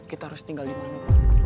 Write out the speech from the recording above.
kita harus tinggal di mana